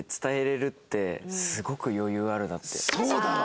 そうだわ！